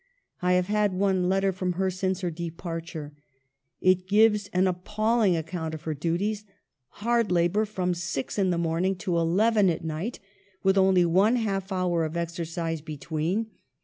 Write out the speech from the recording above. I have had one letter from her since her departure ; it gives an appalling account of her duties ; hard labor from six in the morning to eleven at night, with only one half hour of exercise between.